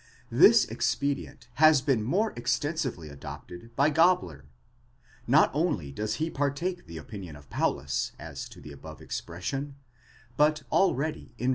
*° This expedient has been more extensively adopted by Gabler. Not only does he partake the opinion of Paulus as to the above expression, but already in v.